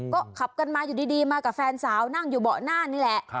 ก็ขับกันมาอยู่ดีมากับแฟนสาวนั่งอยู่เบาะหน้านี่แหละ